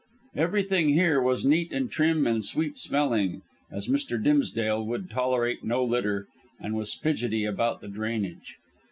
Everything here was neat and trim and sweet smelling, as Mr. Dimsdale would tolerate no litter, and was fidgety about the drainage.